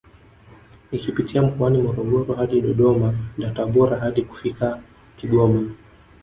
Ikipitia mkoani Morogoro hadi Dodoma na Tabora hadi kufika Kigoma